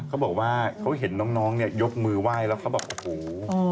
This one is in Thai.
เขาบอกว่าเขาเห็นน้องเนี่ยยกมือไหว้แล้วเขาบอกโอ้โห